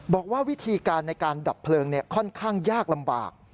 บอกว่าวิธีการในการดับเพลิงค่อนข้างยากลำบาก